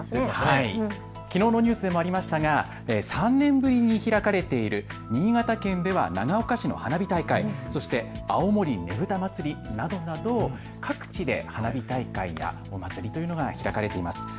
きのうのニュースでもありましたが３年ぶりに開かれている新潟県では長岡市の花火大会、そして青森ねぶた祭など、各地で花火大会やお祭りが開かれています。